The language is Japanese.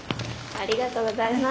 ありがとうございます。